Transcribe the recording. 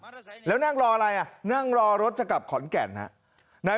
แล้วนั่งรออะไรอ่ะนั่งรอรถจะกลับขอนแก่นฮะนาย